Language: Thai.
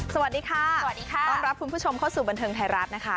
สวัสดีค่ะสวัสดีค่ะต้อนรับคุณผู้ชมเข้าสู่บันเทิงไทยรัฐนะคะ